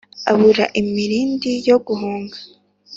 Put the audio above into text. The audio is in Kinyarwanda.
Abura imirindi yo guhunga,